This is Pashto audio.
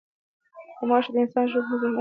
غوماشې د انسان د ژوند مزاحمت کوي.